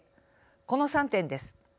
この３点です。